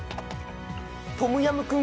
トムヤムクン